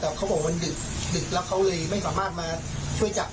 แต่เขาบอกมันดึกดึกแล้วเขาเลยไม่สามารถมาช่วยจับ